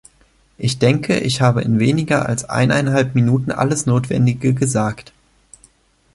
Ich denke, ich habe in weniger als eineinhalb Minuten alles Notwendige gesagt.